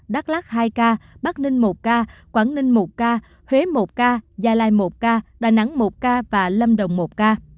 đắk lắc hai ca bắc ninh một ca quảng ninh một ca huế một ca gia lai một ca đà nẵng một ca và lâm đồng một ca